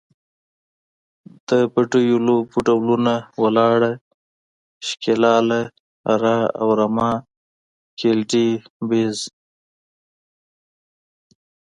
د بډیو لوبو ډولونه، ولاړه، شکیلاله، اره او رمه، ګیلدي، بیز …